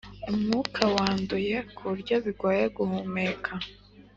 umwuka wanduye kuburyo bigoye guhumeka